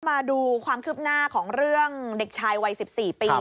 มาดูความคืบหน้าของเรื่องเด็กชายวัย๑๔ปี